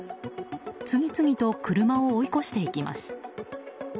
次々と車を追い越していきます。